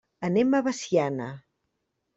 Anem a Veciana.